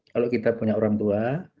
kalau kita punya orang tua